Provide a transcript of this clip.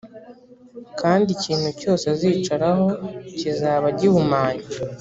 kandi ikintu cyose azicaraho kizaba gihumanye